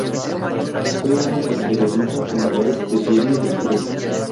Fue uno del los periodistas fundadores del "Diario del Sureste".